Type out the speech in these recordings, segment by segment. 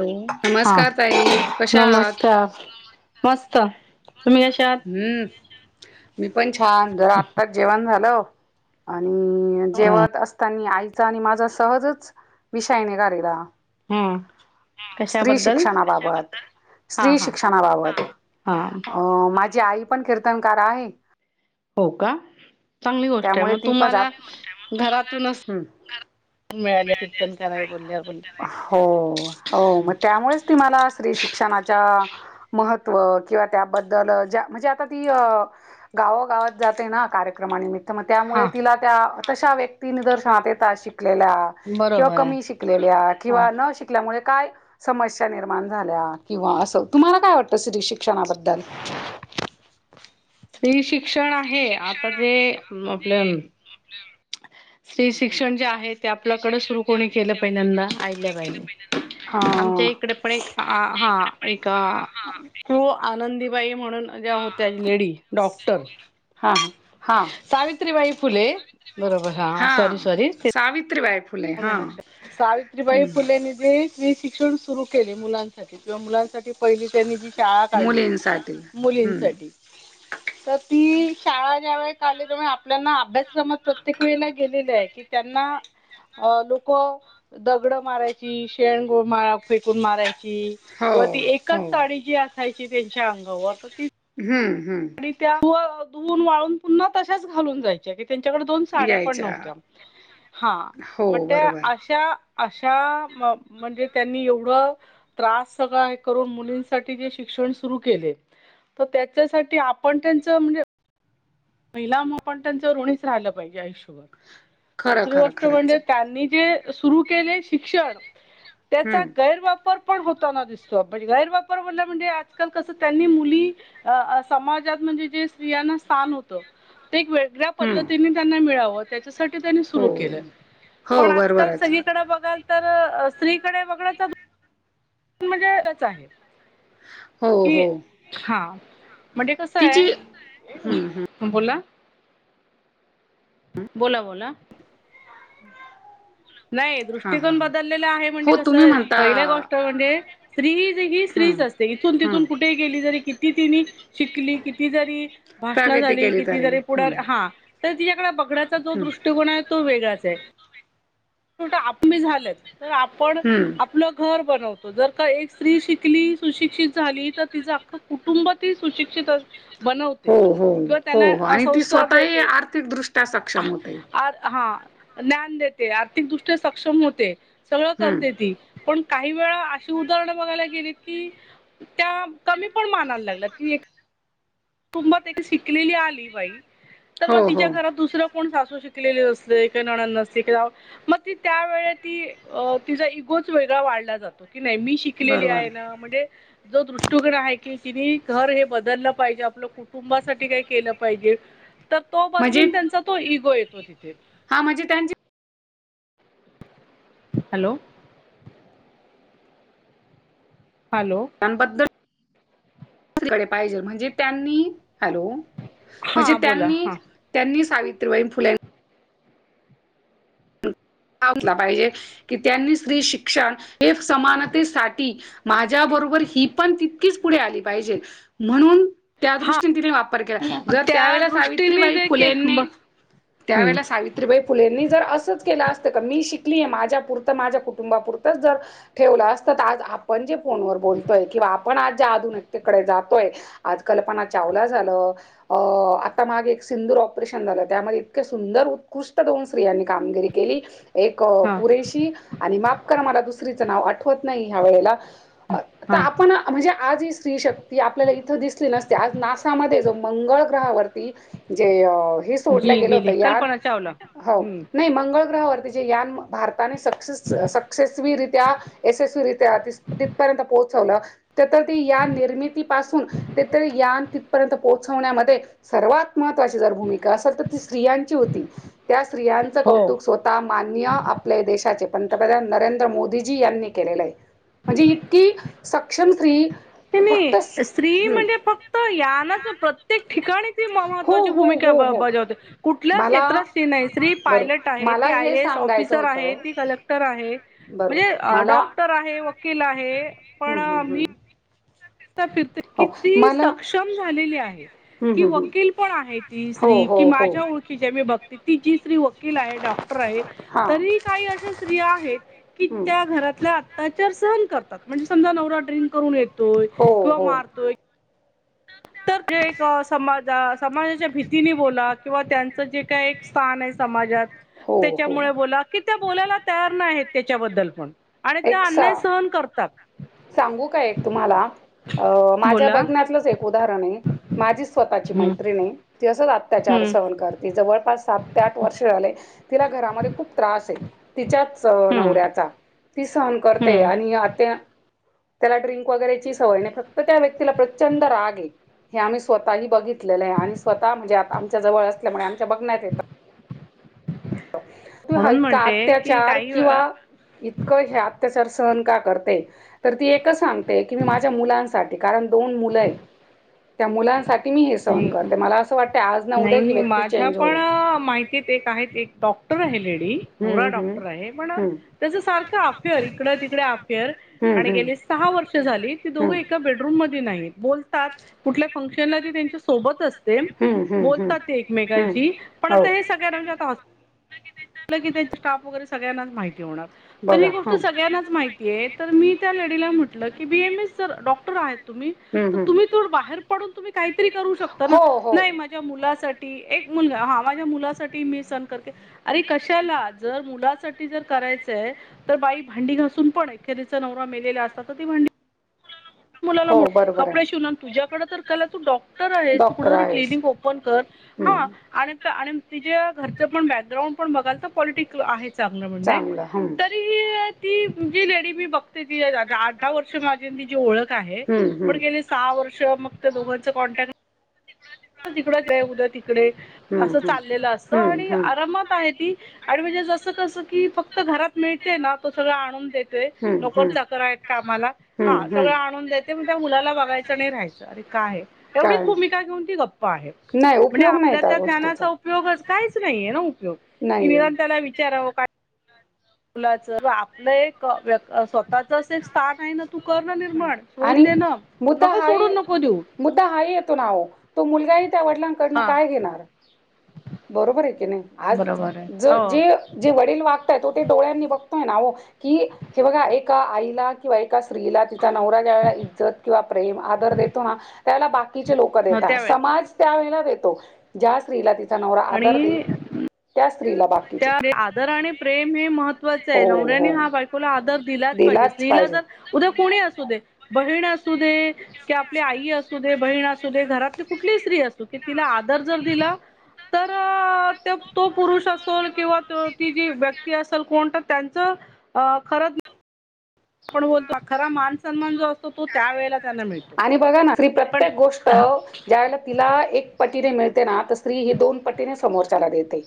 Hello हा नमस्कार ताई कशा आहात नमस्कार मस्त तुम्ही कश आात ह मी पण छान जर आत्ताच जेवण झालं आणि हा. जेवत अस त्यांनी आईचा आणि माझा सहजच विषाय निघालेला हम्म स्त्री कशाबद्दल शिक्षणाबाबत हा स्त्री हा हा शिक्षणाबाबत माझी आई पण कीर्तनकार आहे हो का चांगली गोष्ट आहे त्यामुळे मग ती पण तुम्हाला जात घरातूनच हम्म मिळाल्या कीर्तन काय बोलल्यावर पण हो हो मग त्यामुळेच ती मला स्त्री शिक्षणाच्या महत्त्व किंवा त्याबद्दल ज्या म्हणजे आता ती अ गाव गावात जाते ना कार्यक्रमाने मित तर मग त्यामुळे हा तिला त्या तशा व्यक्ती निदर्शनात येतात शिकलेल्या किंवा बरोबर आहे कमी शिकलेल्या हा किंवा न शिकल्यामुळे काय समस्या निर्माण झाल्या किंवा असं तुम्हाला काय वाटतं श्री शिक्षणाबद्दल स््री शिक्षण आहे आता जे आपल्या स्त्री शिक्षण जे आहे ते आपल्याकडे सुरू कोणी केलं पहिल्यांदा आईल्या पाहिनी आमच्या अ एक तकडे पण एक हा एक कू आनंदीबाई म्हणून ज्या होत्या लेडी डॉक्टर हा हा सावित्रीबाई फुले बरोबर हा सॉरी सॉरी सावित्रीबाय फुले हो हा अक्ष हम्म सावित्रीबाई फुलन दिी मी शिक्षण सुरू केले मुलांसाठी किंवा मुलांसाठी पहिली त्यांनी जी शाळा काढली मुलींसाठी हो तर ती शाळा ज्या वेळ का आढली त्यामुळे आपल्याना अभ्यासक्रमात प्रत्येक वेळेला गेलेली आहे की त्यांना अ लोक दगड मारायची शेण गोळ म फेकून मारायची हो, किंवा ती हो. एकच साणी जी असायची त्यांच्या अंगावर तर त हम्म हम्म धून वाळून पुन्हा तशच घालून जाई त्यांच्याकड दोन साड्या पण यायच्या. नव्हत्या. हा हो, मग त्या बरोबर. अश्या अशा म्हणजे त्यांनी एवढ त्रास सगळा करून मुलींसाठी जे शिक्षण सुरू केले तर, त्याच्यासाठी आपण त्यांच म्हणजे महिला पण त्यांच ऋणीच राहिलं पाहिजे आयुष्यभर, खरं, दुसरी खरं, गोष्ट खरंच म्हणजे आहे. त्यांनी जे सुरू केले शिक्षण त्याचा हं, गैरवापर पण होताना दिसतो. आपण गैरवापरला म्हणजे आजकाल कसं त्यांनी मुली अ समाजात म्हणजे जे स्त्रियांना स्थान होत. ते एक वेगळ्या हं. पद्धतीने त्यांना मिळाव. त्याच्यासाठी त्यांनी हो. सुरू केलं हो, पण आजकाल बरोबरच. स बघाल तर स्त्रीकडे बघ पण म्हणजे एक च आहे. हो, कि, हो. हा म्हणजे कस तिची आहे. हं, हं. बोला बोला बोला. नाही हां, हां, दृष्टिकोन हां. बदललेला आहे म्हणजे हो, तुम्ही कसं म्हणता पहिल्या गोष्ट म्हणजे स्त्री ज ही हं, स्त्रीच असते. इथून हं. तिथून कुठे गेली जरी किती तिने शिकली किती जरी भाषण प्रगती झाली केली किती तरी. जरी, पुढ हं, हा तर तिच्याकडे बघण्याचा जो हं. दृष्टिकोन आहे तो वेगळाच आहे. ट आपमी झालेत तर आपण हम्म. आपलं घर बनवतो. त जर का एक स्त्री शिकली सुशिक्षित झाली तर तिचं अख्खं कुटुंब त सुशिक्षित अस बनवते हो, हो, हो, किंवा हो त्यांना आणि ती संस्कार स्वतःही देते. आर्थिकदृष्ट्या सक्षम होते. अअ हा ज्ञान देते आर्थिकदृष्ट्या सक्षम होते सगळं हम्म. करते ती. पण काही वेळा अशी उदाहरणं बघायला गेलीत की, त्या कमी पण मानायला लागल की, कुटुंबात शिकलेली आली बाई तर मग हो, हो, तिच्या घरात दुसरं कोण सासू शिकलेले नसते का न नसते का मग त त्या व ती तिचा इगोच वेगळा वाढला जातो की नाहीी मी शिक शली बरोबर आहे म्हणजे जो दृष्टिकोन आहे की ति घर हे बदलं पाहिजे. आपलं कुटुंबासाठी काही केलं पाहिजे तर तो म्हणजे बदलून त्यांचा तो इगो येतो तिथे, हा म्हणजे त्यांची हॅलो हॅलो त्यांबद्दलडे [unintelligible] पाहिजे म्हणजे त्यांनी हॅलो! म्हणजे हा बोला त्यांनी हा त्यांनी सावित्रीबाई फुल्या [unintelligible] टला पाहिजे की त्यांनी स्त्री शिक्षण हे समानतेसाठी माझ्या बरोबर ही पण तितकीच पुढे आली पाहिजे म्हणून, त्या हा दृष्टीने तिने वापर केला जर त्या त्यावेळे दृष्टीने सावित्रीबाई जे के फुलेंनी ब- हं, त्यावेळेला सावित्रीबाई फुलेंनी जर असंच केलं अस मी शिकली आहे माझ्यापुरं माझ्या कुटुंबापुरतच जर ठेवलं असत तर, आज आपण जे फोनवर बोलतोय किंवा आपण आज ज्या अधून एकीकडे जातोय. आज कल्पना चावला झालं. अ आता माग एक सिंदूर ऑपरेशन झालं त्यामध्ये इतके सुंदर उत्कृष्ट दोन स्त्रियांनी कामगिरी केली. एक हा कुरेशी आणि मापकरा मला दुसरीचं नाव आठवत नाही ह्या वेळेला. हा पण म्हणजे आज ही स्त्री शक्ती आपल्याला इथं दिसली नसते आज नासामध्ये जो मंगळ ग्रहावरती. जे हे सोडल्या जी गेलं होत गेली यान कल्पना चावला हो हं, नाही मंगळ ग्रहावर. ते यान भारताने स सक्सेस वि रित्या यशस्वी रित्या [unintelligible] तिथपर्यंत पोहोचवलं. त्या तर ती या निर्मितीपासून ते तर यान तिथपर्यंत पोहोचवण्यामध्ये. सर्वात महत्त्वाची जर भूमिका असेल तर ती स्त्रियांची होती त्या स्त्रियांचं हो कौतुक स्वतः. मान्य आपले देशाचे पंतप्रधान नरेंद्र मोदीजी यांनी केलेले आहे. म्हणजे इतकी सक्षम फ्री. ते मी स्त्री म्हणजे फक्त यांनाच प्रत्येक ठिकाणी. हो महत्त्वाची हो भूमिका हो हो बजावते. कुठल्या मला क्षेत्रात स्त्री नाही स्त्री पायलट बरोबर आहे मला ती आय हे ए एस सांगायचं ऑफिसर आहे होतं ती कलेक्टर. आहे म्हणजे बरोबर डॉक्टर आहे वकील आहे. हम् हम हम्. फिरत किती मला सक्षम झालेली आहे. हम्म की हम्म हम्म वकील पण आहे ती हो श्री की हो हो माझ्या ओळखी जे मी बघते ती जी श्री वकील आहे डॉक्. हा तरी काही अशा स्त्रिया आहेत की हम्म त्या घरातल्या. त्याच्यावर सहन करतात म्हणजे समजा नवरा ड्रिंक करून येतो. हो हो. तर ज एक समाज समाजाच्या भीतीने बोला किंवा त्यांचं जे काय स्थान आहे समाजात. हो हो त्याच्यामुळे बोला की त्या बोलायला तयार नाही आहेत त्याच्याबद्दल पण. आणि एक सा अन्याय सहन करतात. सांगू का एक तुम्हाला अ माझ्या बोला बघण्याततलंच. उरण माझी स्वतःची हम्म मैत्री त असच अत्याचार हम्म सहन करते. जवळपास सात ते आठ वर्ष झाले तिला घरामध्ये खूप त्रास आहे तिच्या. हम्म नवऱ्याचा ती सहण करते हम्म आणि आता. त्याला ड्रिंक वगैरेची सवय नाही फक्त त्या व्यक्तीला प्रचंड राग आहे. हे आम्ही स्वतःही बघितलेलं आहे आणि स्वतः म्हणजे आता आमच्या जवळ असल्यामुळे आमच्या बघण्यात येत. तुम् म्हणून इतका म्हणते की अत्याचार काही किंवा. वेळा इतकं हे अत्याचार सहन का करते. तर ती एकच सांगते की मी माझ्या मुलांसाठी कारण दोन मुलं आहेत त्या मुलांसाठी. मी हे सहन नाही करते मला असं वाटतं आज ना उद्या नाही ही मी व्यक्ती माझ्या चेंज पण होईल. माहितीत एक आहेत एक डॉक्टर आहे लेडी. नवरा हम्म हम्म डॉक्टर आहे पण हम्म. त्याच सारखं अफेअर इकड तिकडे अफेअर. हम्म आणि हम्. गेली सहा वर्ष झाली दोघ एका बेडरूम नाही बतात कुल्या फंक्शनला. बातेण. हम्म हम्म हम्म हम्म काप वगैरे सगळ्यांनाच हो. माहिती होणार तर बघा ही गोष्ट हा सगळ्यांनाच माहिती. ते तर मी त्या लेडीला म्हटलं की बी एम एस जर डॉक्टर आहेत. तुम्ही हम्म हम्म बाहेर प तम्ही काहीतरी करू शकता. हो हो माझ्या मुलासाठी एक मुल हा माझ्या मुलासाठी मी सण करते. अरे कशाला जर मुलासाठी जर करायचंय. तर बाई भांडी घासून पण एकखेरीचा नवरा मेलेला असतात तर ती भांडी. मुला हो बरोबर कपडे आहे शिवून आणि तुझ्याकडे तरला तू डॉ. तर आहेस त डॉक्टर कुठरी आहेस क्लिनिक ओपन कर हा. तिच्या घरचं पण बॅकग्राउंड पण बघाल तर पॉलिटिकल आहे चांगलं म्हणजे चांगलं हम्म. तरी. ती जी लेडी मी बघते ती आठ दहा वर्ष माझे तिी ओळख आहे हम्म पण हम्म. गेली सहा वर्ष मग त्या दोघांचं कॉन्टॅक्ट तिकड जय उद्या तिकडे हम्म असं चाललेलं असतं आणि आरामात आहे आणि म्हणजे जस कस की फक्त घरात मिळते ना तो सगळ आणून देत. नोकर चाकर आहेत कामला हा हम्म हम्म. सगळं आणून द. ते त्या मुलाला बघायचं नाही राहायचंरे काय ते एवढीच भूमिका घेऊ ती गप्. काय नाही म्हणजे उपयोग नाही आपल्या त्या गोष्टीचा. ज्ञानाचा. उपयोगच काहीच नाहीये ना उपयोग की नाहीये. निरंताला विचाराव. मुलाच आपलं एक व्य स्वतःच अस एक स्थान आहे ना तू कर ना निर्माण सोडून आणि देणं मुद्दा नका हाही सोडून नको देऊ मुद्दा हाय येतो नाह तो मुलगाही त्या वडिलांकडन हा काय घेणार? बरोबर आय की नाही आज बरोबर आहे ज हो जे जे वडील वागताय त ते डोळ्यांनी बघतोय ना वो. कि हे बघा एका आईला किंवा एका स्त्रीला त्या नवरा ज्या वेळेला इज्जत किंवा प्रेम आदर देतो ना त्यावेळे बाकीचे लोक हो देतात त्यावेळेस समाज त्या वेळेला देतो ज्या स्त्रीला तिचा नवरा आदर आणि देईल त्या स्त्रीला त्या आदर आणि प्रेम हे महत्त्वाचे आहे नवऱ्यानी हा बायकोला आदर दिलाच पाहिजे स्त्रीला जर उद्या कोणीही असू दे बहीण असू दे कि आपली आई असू दे बहीण असू दे घरातली कुठलीही स्त्री असू की तिला आदर जर दिला तर त्यो तो पुरुष अस तो किंवा त्यो ती जी व्यक्ती असलं कोण तर त्यांच आ खरं आपण बोलतो खरा मान सन्मान जो असतो तो त्या वेळेला त्यांना मिळतो पण ह ज्या वेळेला तिला एक पटीने मिळते ना तर स्त्री ही दोन पटीने समोरच्याला देते.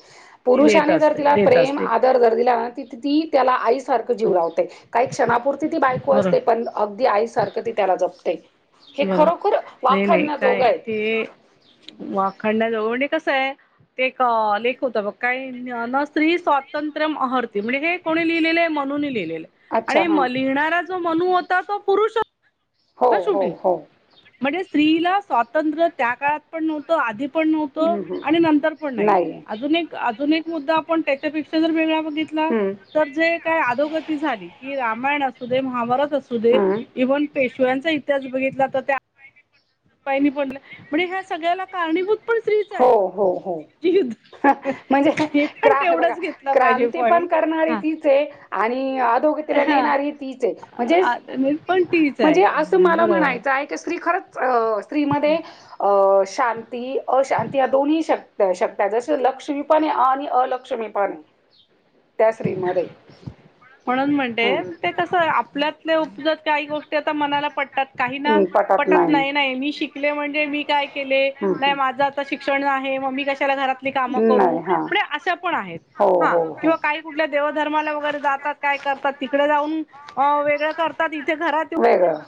देत पुरुषाने जर असते तिला देत प्रेम असते आदर- - जर दीला ती ती त्याला आईसारख जीव लावते काही क्षणापुरती ती बायको बरं असते पण अगदी आईसारखं ती त्याला जपते हे बरं खरोखर वाखाणण्या जोग आहे. वाखाणण्याजोग आणि कसाय ते का लेख होत बघ काही न स्त्री स्वा तंत्र्यम अहर्ती म्हणजे हे कोणी लिहिलेले आहे म्हणून लिहिले आहे मनूने लिहलेल अच्छा आहे हां आणि लिहिणारच जो मणू होता तो पुरुष हो न हो शेवटी हो म्हणजे स्त्रीला स्वातंत्र्य त्या काळात पण नव्हत आधी पण नव्हत हं हं आणि नंतर पण नाही अजून एक अजून एक मुद्दा आपण त्याच्यापेक्षा जर वेगळा बघितला हं. तर जे काय आधोगती झाली की रामायण असू दे महाभारत असू दे हम्म. इव्हन शिवयांचा इतिहास बघितला तर त्या पाहिनी पडलं म्हणजे ह्या सगळ्याला कारणीभूत पण स्त्रीच हो आहे हो हो. युद्ध म्हणजे हे पण क्रा बघा तेवढाच घेतला पाहिजे क्रांती पण पॉईंट करणारी पण हा तिचे. आणि आ -धोगतीला हा नेणारी तीचाय म्हणजे आ- पण तीच आहे म्हणजे अस हा मला बरोबर आहे म्हणायचाय ती स्त्री खरच अ स्त्रीमध्ये अ शांती अशांती या दोन्ही श शक्त्या जसे लक्ष्मीपणे आणि अलक्ष्मी पणाय. त्या स्त्री मध्ये. म्हणून म्हणते ते कसं आपल्यातले उपजत काही गोष्टी आता मनाला पटातात काही ना पटत नाही नाही मी शिकले म्हणजे मी काय केले नाही माझा - - शिक्षण आहे मग मी कशाला घरातली काम करू नाही हा. म्हंजे अस पण आहेत हो हा हो हो. किंवा काही कुठल्या देवाधर्माला वगैरे जातात काय करतात तिकड जाऊन वेगळ करतात इथे घरात येऊन वेगळं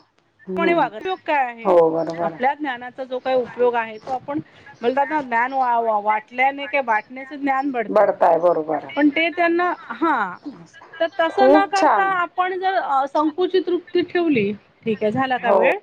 कोणी हम्म. वाग उपयोग काय हो आहे बरोबर आहे. आपल्या ज्ञानाचा जो काही उपयोग आहे तो आपण मलत आता ज्ञान वा वा वाटल्याने का वाटण्याच ज्ञान बडतय. बढताय बरोबर आहे. पण ते त्यांना हा तर तस न खूप करता छान. आप पण जर संकुचित वृती ठेवली ठीक आहे झाला का हो वेळ?